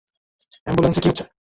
অ্যাম্বুলেন্সে কী হচ্ছে?